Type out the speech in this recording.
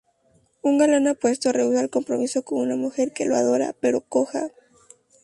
Un galán apuesto rehúsa el compromiso con una mujer que lo adora, pero coja.